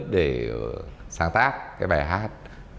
để sáng tác cái bài hát